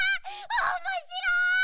おもしろい。